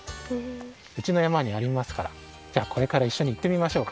うちのやまにありますからじゃあこれからいっしょにいってみましょうか。